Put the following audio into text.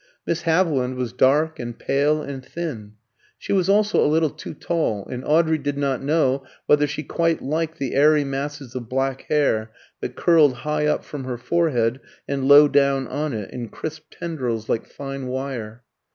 Miss Haviland was dark, and pale, and thin; she was also a little too tall, and Audrey did not know whether she quite liked the airy masses of black hair that curled high up from her forehead and low down on it, in crisp tendrils like fine wire.